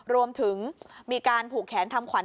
รวมถึงมีการผูกแขนทำขวัญ